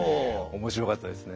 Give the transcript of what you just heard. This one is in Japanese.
面白かったですね。